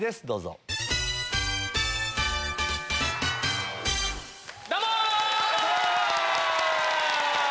どうも！